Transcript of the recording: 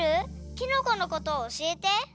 きのこのことをおしえて。